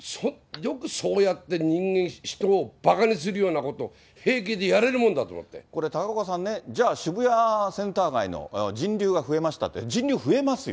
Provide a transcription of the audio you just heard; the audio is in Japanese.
よくそうやって人間、人をばかにするようなことを平気でやれるもこれ、高岡さんね、じゃあ、渋谷センター街の人流が増えましたって、人流増えますよ。